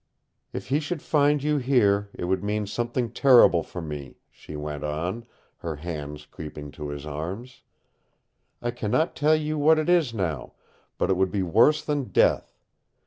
"If he should find you here, it would mean something terrible for me," she went on, her hands creeping to his arms. "I can not tell you what it is now, but it would be worse than death.